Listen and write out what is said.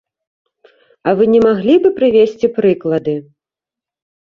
А вы не маглі бы прывесці прыклады?